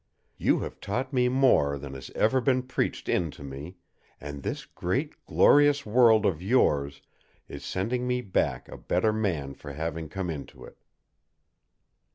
You have taught me more than has ever been preached into me, and this great, glorious world of yours is sending me back a better man for having come into it.